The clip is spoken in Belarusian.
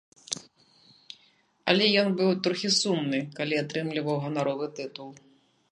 Але ён быў трохі сумны, калі атрымліваў ганаровы тытул.